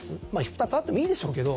２つあってもいいでしょうけど。